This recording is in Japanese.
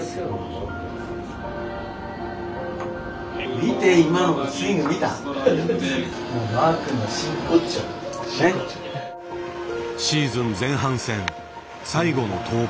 見てシーズン前半戦最後の登板。